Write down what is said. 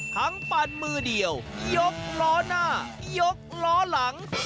ปั่นมือเดียวยกล้อหน้ายกล้อหลัง